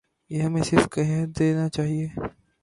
یہ ہمیں صاف کہہ دینا چاہیے۔